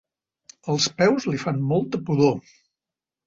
Els peus li fan molta pudor.